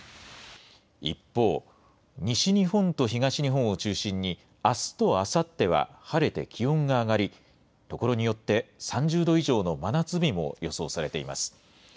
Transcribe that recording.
一方、西日本と東日本を中心に、あすとあさっては晴れて気温が上がり、所によって、３０度以上の真夏日も予想されています。